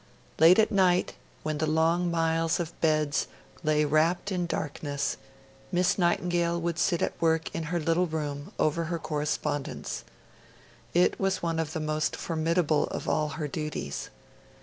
Late at night, when the long miles of beds lay wrapped in darkness, Miss Nightingale would sit at work in her little room, over her correspondence. It was one of the most formidable of all her duties.